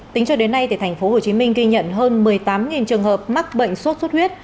tính cho đến nay thành phố hồ chí minh ghi nhận hơn một mươi tám trường hợp mắc bệnh suốt suốt huyết